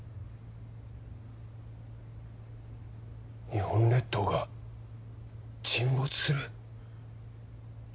日本列島が沈没する？